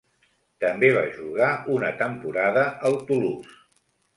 També va jugar una temporada al Toulouse.